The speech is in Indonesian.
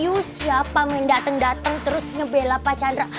yuh siapa main dateng dateng terus nyebela pak chandra